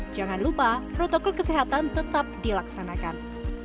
jangan lupa protokol kesehatan tetap dilaksanakan